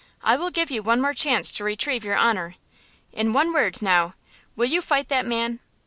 I will give you one more chance to retrieve your honor–in one word, now–will you fight that man?"